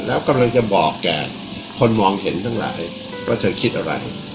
แล้วกำลังจะบอกแก่คนมองเห็นทั้งหลายว่าเธอคิดอะไร